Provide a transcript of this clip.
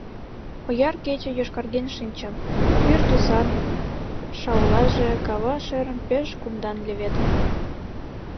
Ояр кече йошкарген шинчын, вӱр тӱсан шаулаже кава шӧрым пеш кумдан леведын.